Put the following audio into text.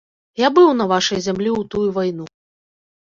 Я быў на вашай зямлі ў тую вайну.